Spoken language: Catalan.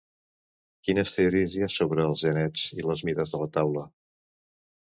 Quines teories hi ha sobre els genets i les mides de la taula?